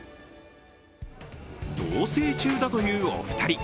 同棲中だというお二人。